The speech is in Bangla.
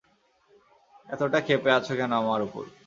এতটা ক্ষেপে আছো কেন আমার উপর?